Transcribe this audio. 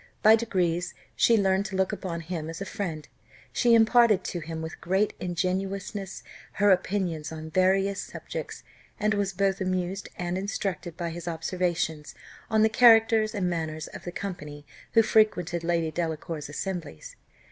By degrees she learned to look upon him as a friend; she imparted to him with great ingenuousness her opinions on various subjects, and she was both amused and instructed by his observations on the characters and manners of the company who frequented Lady Delacour's assemblies.